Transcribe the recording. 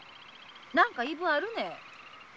何か言い分あるね？